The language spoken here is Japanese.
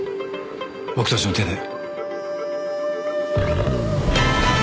僕たちの手で。